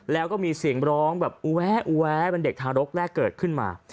แล้วก็มีเสียงร้องแบบอูแวะอูแวะเป็นเด็กทารกแรกเกิดขึ้นมา